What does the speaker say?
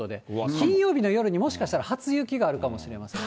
金曜日の夜に、もしかしたら初雪があるかもしれません。